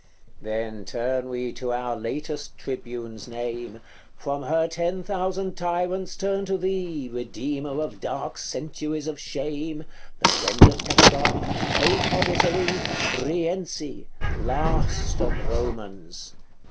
CXIV. Then turn we to our latest tribune's name, From her ten thousand tyrants turn to thee, Redeemer of dark centuries of shame The friend of Petrarch hope of Italy Rienzi! last of Romans!